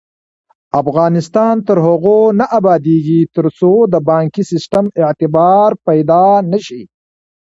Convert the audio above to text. افغانستان تر هغو نه ابادیږي، ترڅو د بانکي سیستم اعتبار پیدا نشي.